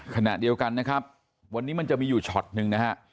ขณะเดียวกันนะครับวันนี้มันจะมีอยู่ช็อตหนึ่งนะฮะ